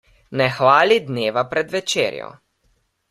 Ne hvali dneva pred večerjo.